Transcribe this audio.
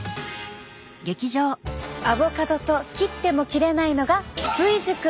アボカドと切っても切れないのが追熟！